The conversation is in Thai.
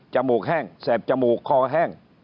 มูกแห้งแสบจมูกคอแห้ง